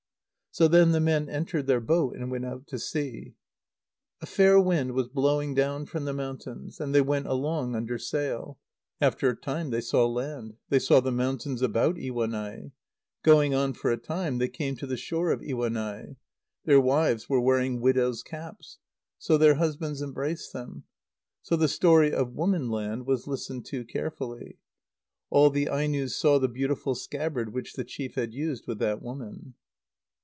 So then the men entered their boat, and went out to sea. A fair wind was blowing down from the mountains, and they went along under sail. After a time they saw land; they saw the mountains about Iwanai. Going on for a time, they came to the shore of Iwanai. Their wives were wearing widows' caps. So their husbands embraced them. So the story of woman land was listened to carefully. All the Ainos saw the beautiful scabbard which the chief had used with that woman.